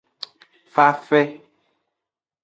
Fafe.